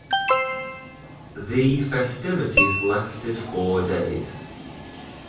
The festivities lasted four days.